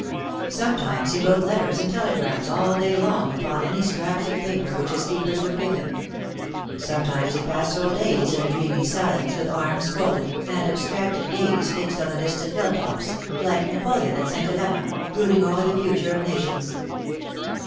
Sometimes he wrote letters and telegrams all day long upon any scraps of paper which his keepers would give him ; sometimes he passed whole days in a dreamy silence with arms folded, and abstracted gaze fixed on the distant hill tops, like Napoleon at St. Helena, brooding over the future of nations.